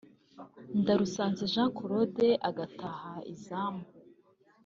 Ndarusanze Jean Claude agataha izamu